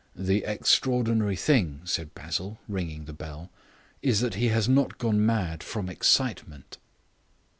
"The extraordinary thing," said Basil, ringing the bell, "is that he has not gone mad from excitement."